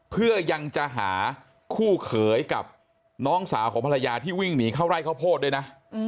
เพื่อยังจะหาคู่เขยกับน้องสาวของภรรยาที่วิ่งหนีเข้าไร่ข้าวโพดด้วยนะ